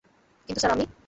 কিন্তু, স্যার, আমি।